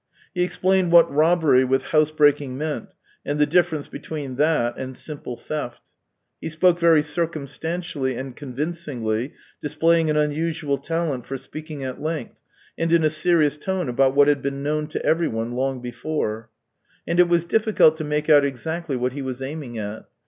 He explained what robbery with house breaking meaiit. and the difference between that and simple theft. He spoke very circumstantially and convincingly, displaying an unusual talent for speaking at length and in a serious tone about what had been known to evervone long before. I 18 274 THE TALES OF TCHEHOV And it was difficult to make out exactly what he was aiming at.